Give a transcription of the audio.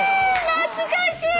懐かしい！